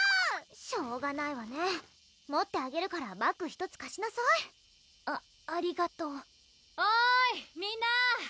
しょうがないわね持ってあげるからバッグ１つかしなさいあっありがとう・おいみんな！